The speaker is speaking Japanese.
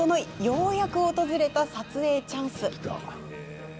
ようやく訪れた撮影チャンス。